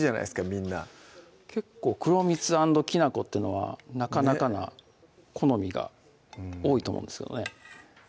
みんな結構黒蜜＆きな粉っていうのはなかなかな好みが多いと思うんですけどね